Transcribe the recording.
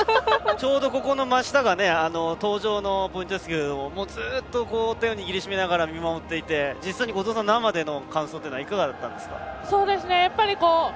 ちょうどここの真下が登場の場所ですけどずっと手を握り締めながら見守っていて実際に、後藤さん生での感想はいかがだったんですか？